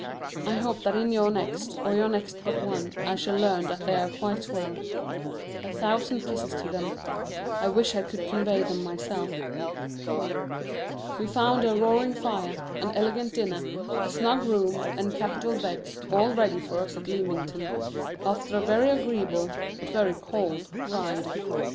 I hope that in your next, or your next but one, I shall learn that they are quite well. A thousand kisses to them. I wish I could convey them myself. We found a roaring fire, an elegant dinner, a snug room, and capital beds all ready for us at Leamington, after a very agreeable (but very cold) ride.